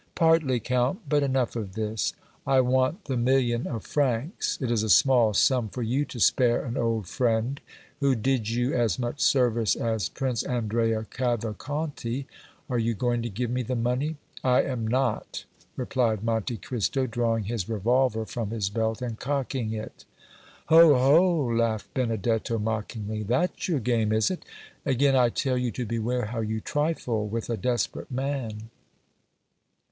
"Partly, Count; but enough of this I want the million of francs; it is a small sum for you to spare an old friend, who did you as much service as Prince Andrea Cavalcanti! Are you going to give me the money?" "I am not!" replied Monte Cristo, drawing his revolver from his belt and cocking it. "Ho! ho!" laughed Benedetto, mockingly, "that's your game, is it? Again I tell you to beware how you trifle with a desperate man!"